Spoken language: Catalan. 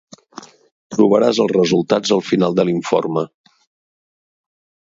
Trobaràs els resultats al final de l'informe.